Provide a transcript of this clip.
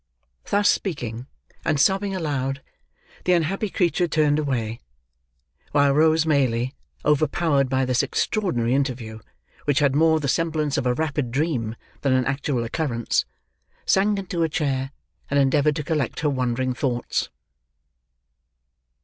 Thus speaking, and sobbing aloud, the unhappy creature turned away; while Rose Maylie, overpowered by this extraordinary interview, which had more the semblance of a rapid dream than an actual occurrence, sank into a chair, and endeavoured to collect her wandering thoughts.